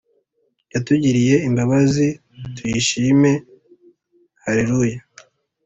Yatugiriye imbabazi tuyishime hareruya